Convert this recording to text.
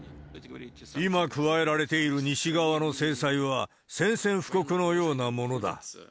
今加えられている西側の制裁は、宣戦布告のようなものだ。